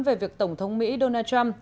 về việc tổng thống mỹ donald trump